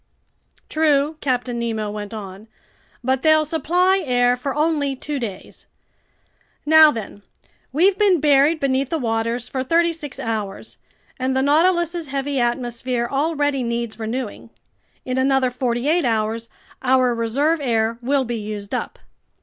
"True," Captain Nemo went on, "but they'll supply air for only two days. Now then, we've been buried beneath the waters for thirty six hours, and the Nautilus's heavy atmosphere already needs renewing. In another forty eight hours, our reserve air will be used up."